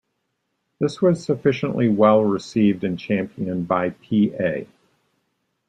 This was sufficiently well-received, and championed by P. A.